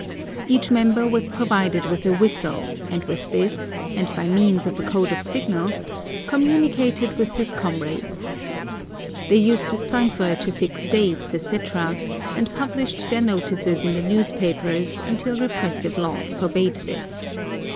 Each member was provided with a whistle, and with this, and by means of a code of signals, communicated with his comrades. They used a cypher to fix dates, etc., and published their notices in the newspapers, until repressive laws forbade this.